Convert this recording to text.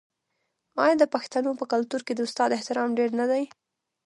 آیا د پښتنو په کلتور کې د استاد احترام ډیر نه دی؟